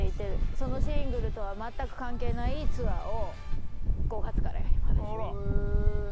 そのシングルとは全く関係ないツアーを５月からやります。